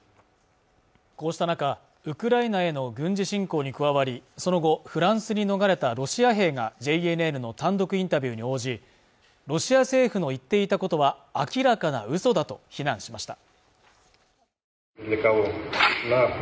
こうした中ウクライナへの軍事侵攻に加わりその後フランスに逃れたロシア兵がＪＮＮの単独インタビューに応じロシア政府の言っていたことは明らかな嘘だと非難しました